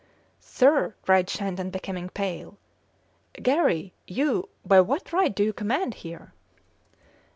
"Sir!" cried Shandon, becoming pale. "Garry you by what right do you command here?"